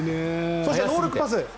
そして、ノールックパス。